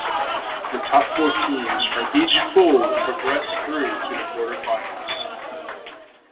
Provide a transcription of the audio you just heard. The top four teams from each pool progressed through to the quarter-finals.